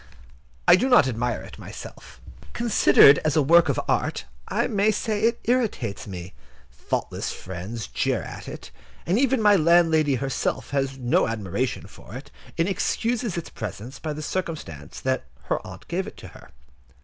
I do not admire it myself. Considered as a work of art, I may say it irritates me. Thoughtless friends jeer at it, and even my landlady herself has no admiration for it, and excuses its presence by the circumstance that her aunt gave it to her.